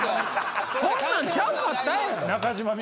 そんなんちゃうかったやん！